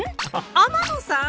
天野さん⁉。